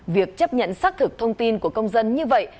việc chấp nhận xác thực thông tin của công dân như vậy